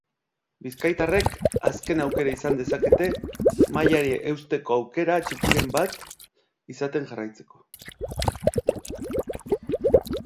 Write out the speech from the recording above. Bizkaitarrek azken aukera izan dezakete mailari eusteko aukera txikiren bat izaten jarraitzeko.